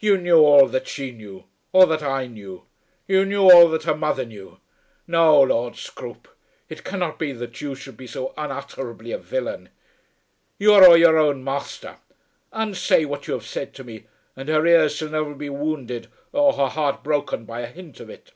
"You knew all that she knew; all that I knew. You knew all that her mother knew. No, Lord Scroope. It cannot be that you should be so unutterably a villain. You are your own masther. Unsay what you have said to me, and her ears shall never be wounded or her heart broken by a hint of it."